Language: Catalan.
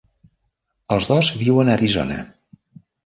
Els dos viuen a Arizona.